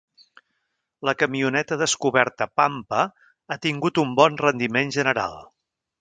La camioneta descoberta Pampa ha tingut un bon rendiment general.